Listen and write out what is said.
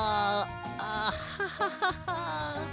あハハハハ。